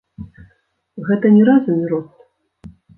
Гэта ні разу не рост.